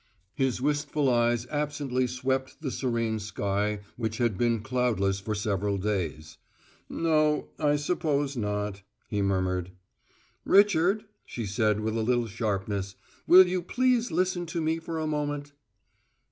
His wistful eyes absently swept the serene sky which had been cloudless for several days. "No, I suppose not," he murmured. "Richard," she said with a little sharpness, "will you please listen to me for a moment?"